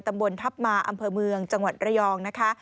ตำบลทัพมาอำเภอเมืองจังหวัดระยองนะคะ